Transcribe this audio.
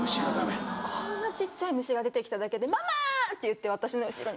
こんな小っちゃい虫が出てきただけで「ママ！」って言って私の後ろに。